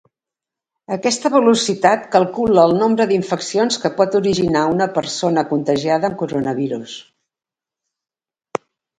Aquesta velocitat calcula el nombre d'infeccions que pot originar una persona contagiada amb coronavirus.